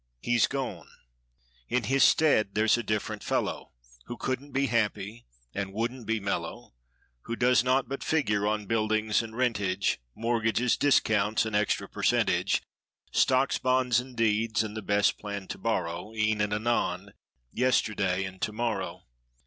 He's gone. In his stead there's a different fellow. Who couldn't be happy and wouldn't be mellow; Who does naught but figure on buildings and rent age. 190 Mortgages, discounts and extra percentage; Stocks, bonds and deeds and the best plan to borrow. E'er and anon, yesterday and tomorrow.